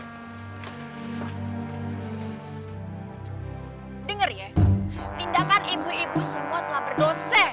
dengar ya tindakan ibu ibu semua telah berdosa